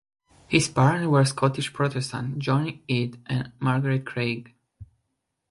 His parents were Scottish Protestants, John Eaton and Margaret Craig.